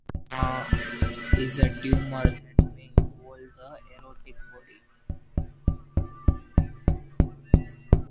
A paraganglioma is a tumor that may involve the aortic body.